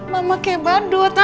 mama kayak badut